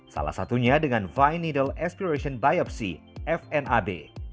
salah satunya dengan vine needle aspiration biopsy fnab